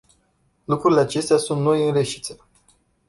Lucrurile acestea sunt noi în Reșița.